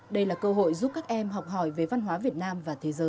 đây là cơ hội giúp các em học hỏi về văn hóa việt nam và thế giới